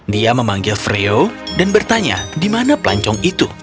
dia memanggil freo dan bertanya di mana pelancong itu